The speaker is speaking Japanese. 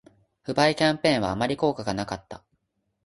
不買キャンペーンはあまり効果がなかった